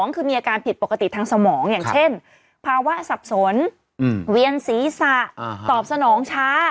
คือมีอาการผิดปกติทางสมองอย่างเช่นภาวะสับสนเวียนศีรษะตอบสนองช้า